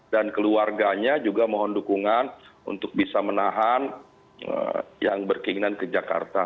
dan keluarganya juga mohon dukungan untuk bisa menahan yang berkeinginan ke jakarta